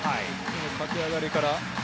駆け上がりから。